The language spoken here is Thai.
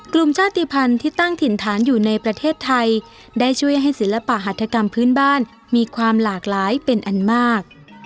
กลุ่มชาติภัณฑ์ที่ตั้งถิ่นฐานอยู่ในประเทศไทยได้ช่วยให้ศิลปหัฐกรรมพื้นบ้านมีความหลากหลายเป็นอันมาก